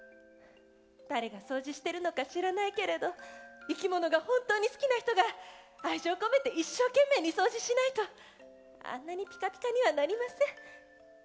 誰が掃除してるのか知らないけれどいきものが本当に好きな人が愛情込めて一生懸命に掃除しないとあんなにピカピカにはなりません。